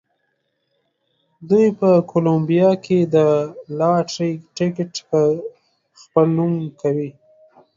دوی په کولمبیا کې د لاټرۍ ټکټ په خپل نوم کوي.